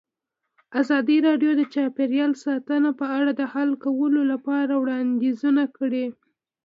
ازادي راډیو د چاپیریال ساتنه په اړه د حل کولو لپاره وړاندیزونه کړي.